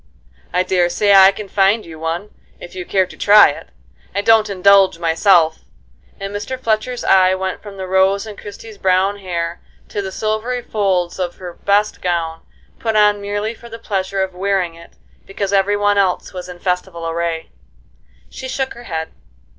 "I daresay I can find you one, if you care to try it. I don't indulge myself." And Mr. Fletcher's eye went from the rose in Christie's brown hair to the silvery folds of her best gown, put on merely for the pleasure of wearing it because every one else was in festival array. She shook her head.